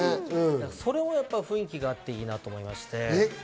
それも雰囲気があっていいなと思いますし。